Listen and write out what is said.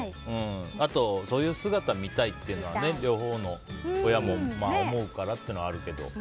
あと、そういう姿見たいっていうのは両方の親も思うからっていうのはあるけど。